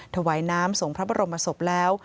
ถวายน้ำส่งพระบรมศพแล้ว